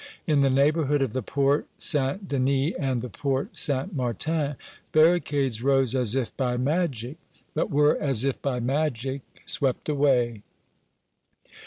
In the neighborhood of the Porte St. Denis and the Porte St. Martin, barricades rose as if by magic, but were as if by magic swept away.